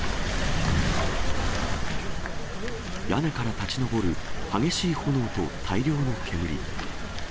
屋根から立ち上る激しい炎と大量の煙。